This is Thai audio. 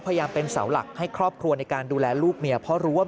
ยังเป็นเสาหลักให้ครอบครัวในการดูแลลูกเมียเพราะรู้ว่า